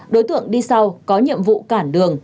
đối tượng đi sau có nhiệm vụ cản đường